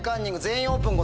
「全員オープン」